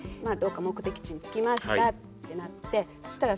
どっか目的地に着きましたってなってそ